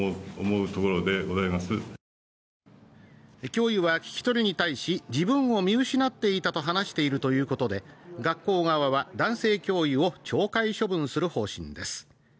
教諭は聴き取りに対し、自分を見失っていたと話したということで、学校側は男性教諭を懲戒処分する方針です。